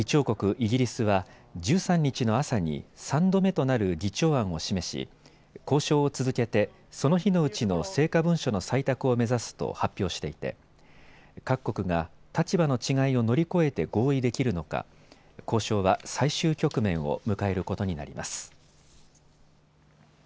イギリスは１３日の朝に３度目となる議長案を示し交渉を続けて、その日のうちの成果文書の採択を目指すと発表していて各国が立場の違いを乗り越えて合意できるのか交渉は最終局面を迎えることになります。